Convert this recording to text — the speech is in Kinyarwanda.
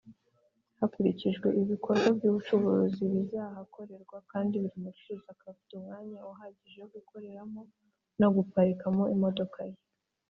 hakurikijwe ibikorwa by’ ubucuruzi bizahakorerwa kandi buri mucuruzi akaba afite umwanya uhagije wo gukoreramo no guparikamo imodoka ye.